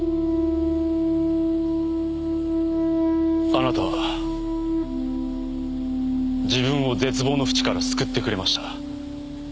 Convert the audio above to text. あなたは自分を絶望の淵から救ってくれました。